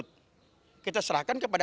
untuk apa untuk pengembangan lebih lanjut